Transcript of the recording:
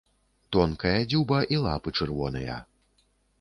Тонкая дзюба і лапы чырвоныя.